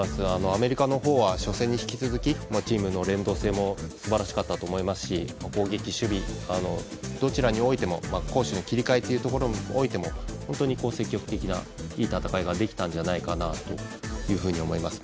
アメリカの方は初戦に引き続きチームの連動性もすばらしかったと思いますし攻撃と守備、どちらにおいても攻守の切り替えにおいても本当に積極的ないい戦いができたんじゃないかと思います。